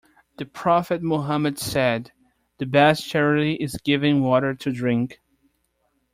The Prophet Muhammad said, "The best charity is giving water to drink".